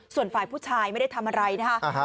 ส่วนฝ่ายผู้ชายไม่ได้ทำอะไรนะคะ